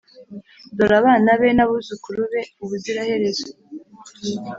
dore abana be, n’abuzukuru be ubuziraherezo.